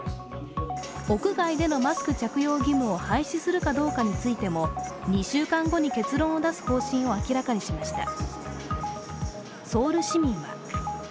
屋外でのマスク着用義務を廃止するかどうかについても２週間後に結論を出す方針を明らかにしました。